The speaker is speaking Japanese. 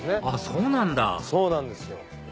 あっそうなんだそうなんですよ。